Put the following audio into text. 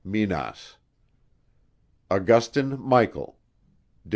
Minas, Augustin Michael, do.